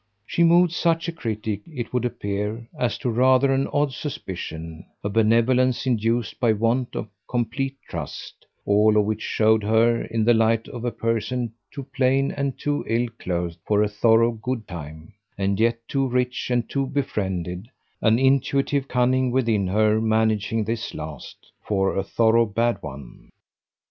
She moved such a critic, it would appear, as to rather an odd suspicion, a benevolence induced by a want of complete trust: all of which showed her in the light of a person too plain and too ill clothed for a thorough good time, and yet too rich and too befriended an intuitive cunning within her managing this last for a thorough bad one.